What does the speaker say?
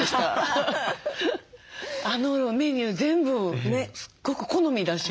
あのメニュー全部すっごく好みだし。